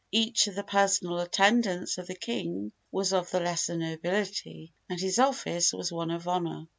Each of the personal attendants of the king was of the lesser nobility, and his office was one of honor.